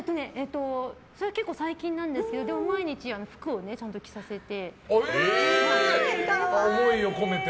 結構最近ですけど毎日ちゃんと服を着させて。